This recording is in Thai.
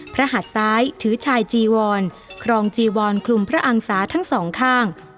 หัดซ้ายถือชายจีวรครองจีวรคลุมพระอังษาทั้งสองข้าง